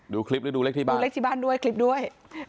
ดูคลิปลาดูเลขที่บ้านด้วยคลิปด้วย